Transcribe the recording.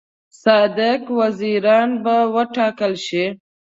صادق وزیران به وټاکل شي.